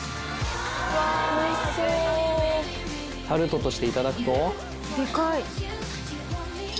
タルトとしていただくと。